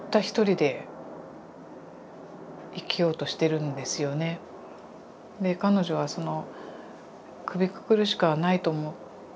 で彼女はその首くくるしかないと思ったって。